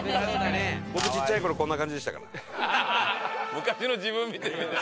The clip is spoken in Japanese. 昔の自分見てるみたい？